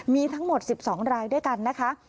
มีทั้งหมด๑๒รายด้วยกันนะคะ